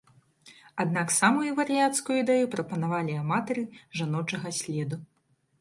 Аднак самую вар'яцкую ідэю прапанавалі аматары жаночага следу.